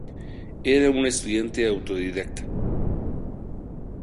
Era un estudiante autodidacta.